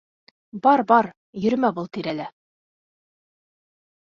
Бар-бар, йөрөмә был тирәлә.